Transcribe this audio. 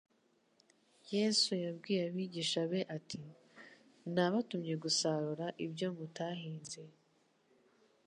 Yesu yabwiye abigishwa be ati; “Nabatumye gusarura ibyo mutahinze,